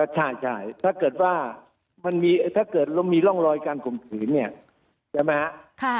ใช่ถ้าเกิดว่ามันมีถ้าเกิดเรามีร่องรอยการข่มขืนเนี่ยใช่ไหมฮะ